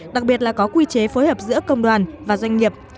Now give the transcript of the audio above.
đặc biệt là có quy chế phối hợp giữa công đoàn và doanh nghiệp